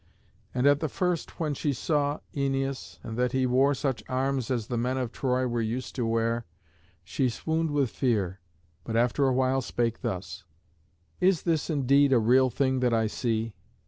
And at the first when she saw Æneas, and that he wore such arms as the men of Troy were used to wear, she swooned with fear, but after a while spake thus: "Is this indeed a real thing that I see?